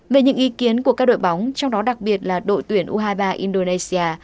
về những ý kiến của các đội bóng trong đó đặc biệt là đội tuyển u hai mươi ba indonesia